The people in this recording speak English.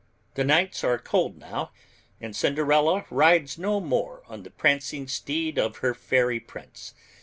The nights are cold now, and Cinderella rides no more on the prancing steed of her fairy prince.